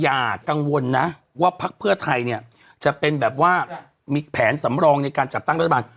อย่ากังวลนะว่าพักเพื่อไทยเนี่ยจะเป็นแบบว่ามีแผนสำรองในการจัดตั้งรัฐบาล